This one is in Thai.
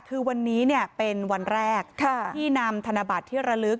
คือวันนี้เป็นวันแรกที่นำธนบัตรที่ระลึก